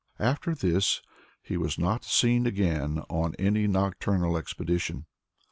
After this he was not seen again on any nocturnal expedition.